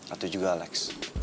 atau juga alex